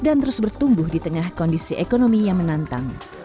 dan terus bertumbuh di tengah kondisi ekonomi yang menantang